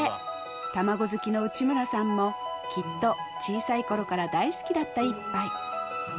卵好きの内村さんもきっと小さいころから大好きだった一杯。